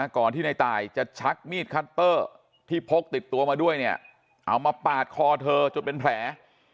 ก่อนที่ในตายจะชักมีดคัตเตอร์ที่พกติดตัวมาด้วยเนี่ยเอามาปาดคอเธอจนเป็นแผล